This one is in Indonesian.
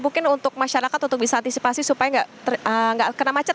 mungkin untuk masyarakat untuk bisa antisipasi supaya nggak kena macet